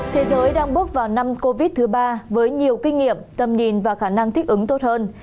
thế giới đang bước vào năm covid thứ ba với nhiều kinh nghiệm tầm nhìn và khả năng thích ứng tốt hơn